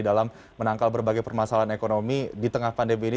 dalam menangkal berbagai permasalahan ekonomi di tengah pandemi ini